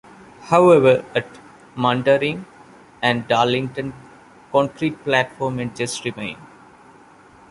However at Mundaring and Darlington concrete platform edges remain.